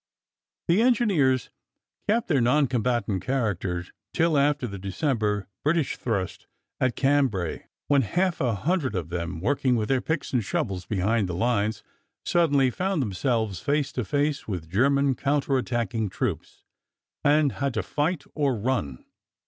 The engineers kept their non combatant character till after the December British thrust at Cambrai, when half a hundred of them, working with their picks and shovels behind the lines, suddenly found themselves face to face with German counter attacking troops, and had to fight or run.